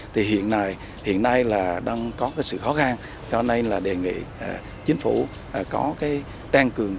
thì hiện nay là đang có cái sự khó khăn cho nên là đề nghị chính phủ có cái trang cường